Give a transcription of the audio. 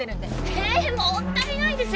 えもったいないですよ。